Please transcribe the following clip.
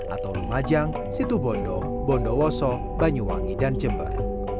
atau lumajang situbondo bondowoso banyuwangi dan jember